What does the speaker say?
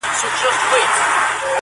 د کور مغول مو له نکلونو سره لوبي کوي!